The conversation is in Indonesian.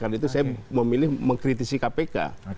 karena itu saya memilih mengkritisi kpk